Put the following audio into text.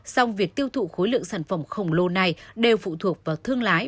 song việc tiêu thụ khối lượng sản phẩm khổng lồ này đều phụ thuộc vào thương lái